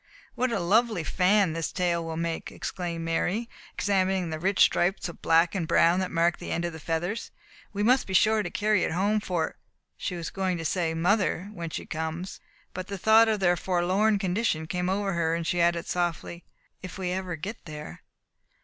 "What a lovely fan his tail will make!" exclaimed Mary, examining the rich stripes of black and brown that marked the end of the feathers. "We must be sure to carry it home for ," she was going to say "mother when she comes," but the thought of their forlorn condition came over her, and she added softly "if we ever get there."